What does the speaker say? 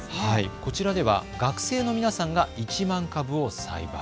こちらでは学生の皆さんが１万株を栽培。